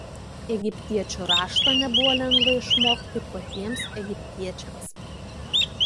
Egiptiečių raštą nebuvo lengva išmokti patiems egiptiečiams.